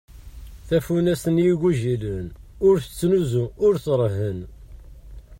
Tafunast n yigujilen ur t tettnuzu ur trehhen.